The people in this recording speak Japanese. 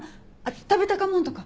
食べたかもんとか。